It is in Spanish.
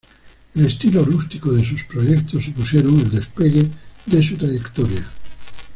El estilo rústico de sus proyectos supusieron el despegue de su trayectoria.